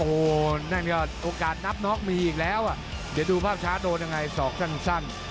โอ้นั่งนี่โอกาสนับนอกมีอีกแล้วอ่ะเดี๋ยวดูภาพชาติโดนยังไง๒ชั้นสั้น